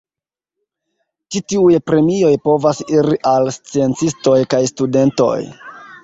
Ĉi tiuj premioj povas iri al sciencistoj kaj studentoj.